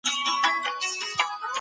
ښوونځي او لوست ځايونه رامنځته شول.